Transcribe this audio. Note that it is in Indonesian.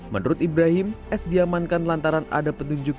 menurut ibrahim s diamankan lantaran ada petunjuk